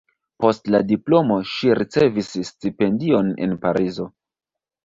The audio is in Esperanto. Post la diplomo ŝi ricevis stipendion en Parizo.